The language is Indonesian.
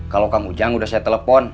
kalau kang ujang udah saya telepon